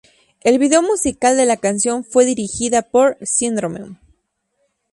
El video musical de la canción fue dirigido por Syndrome.